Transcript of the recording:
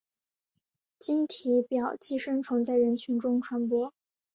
经体表寄生虫在人群中传播。